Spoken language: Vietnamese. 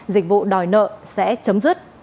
dịch vụ đòi nợ sẽ chấm dứt